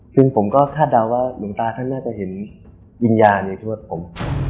ซึ่งผมก็คาดเดาว่าหลวงตาท่านน่าจะเห็นวิญญาณในชีวิตผม